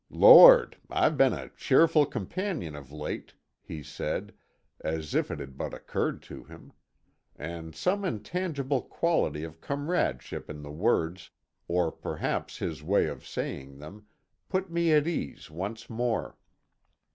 "Lord! I've been a cheerful companion of late," he said, as if it had but occurred to him. And some intangible quality of comradeship in the words, or perhaps his way of saying them, put me at ease once more.